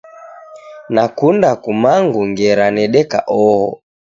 Nakunda kumangu ngera nedeka oho.